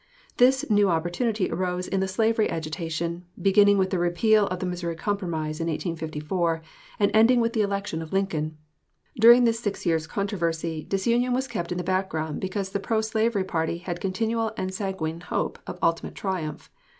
This new opportunity arose in the slavery agitation, beginning with the repeal of the Missouri Compromise in 1854, and ending with the election of Lincoln. Daring this six years' controversy, disunion was kept in the background because the pro slavery party had continual and sanguine hope of ultimate triumph.